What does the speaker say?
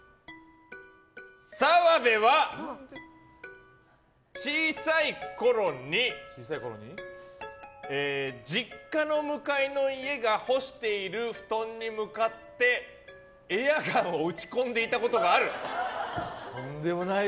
澤部は、小さいころに実家の向かいの家が干している布団に向かって、エアガンを撃ち込んでいたことがある。